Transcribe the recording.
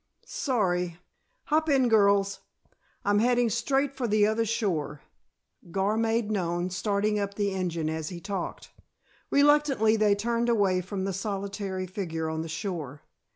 Sorry. Hop in, girls. I'm heading straight for the other shore," Gar made known, starting up the engine as he talked. Reluctantly they turned away from the solitary figure on the shore.